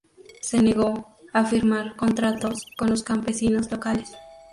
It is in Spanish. Se negó a firmar contratos con los campesinos locales.